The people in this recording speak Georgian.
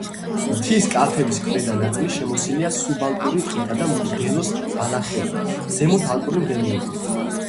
მთის კალთების ქვედა ნაწილი შემოსილია სუბალპური ტყითა და მდელოს ბალახეულით, ზემოთ ალპური მდელოებია.